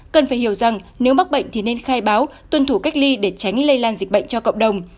cần phải hiểu rằng nếu mắc bệnh thì nên khai báo tuân thủ cách ly để tránh lây lan dịch bệnh cho cộng đồng